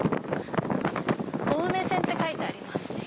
「青梅線」って書いてありますね。